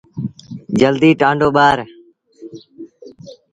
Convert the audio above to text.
جلدي ٽآنڊو ٻآر۔